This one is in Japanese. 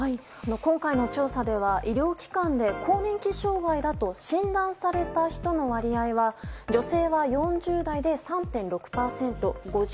今回の調査では医療機関で更年期障害だと診断された人の割合は女性は４０代で３．６％５０代で９．１％。